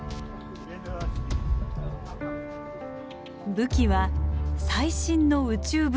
武器は最新の宇宙物理学。